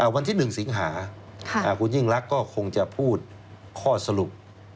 วันที่๑สิงหาคุณยิ่งรักก็คงจะพูดข้อสรุป